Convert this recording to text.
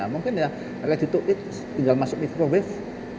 mungkin ya karena gitu tinggal masuk mikrowave